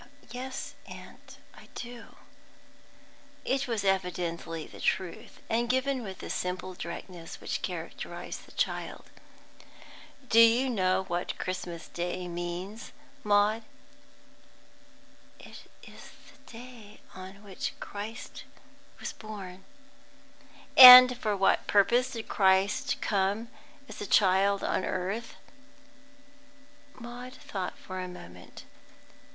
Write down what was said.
"Yes, aunt, I do." It was evidently the truth, and given with the simple directness which characterised the child. "You know what Christmas Day means, Maud?" "It is the day on which Christ was born." "And for what purpose did Christ come as a child on earth?" Maud thought for a moment.